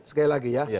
sekali lagi ya